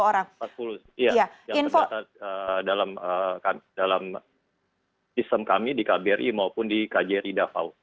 empat puluh satu orang yang terdata dalam sistem kami di kbri maupun di kjri davao